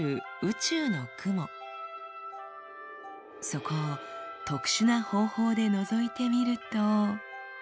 そこを特殊な方法でのぞいてみると。